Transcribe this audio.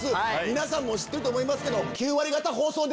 皆さんも知ってると思いますけど。